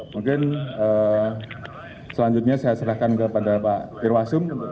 mungkin selanjutnya saya serahkan kepada pak irwasum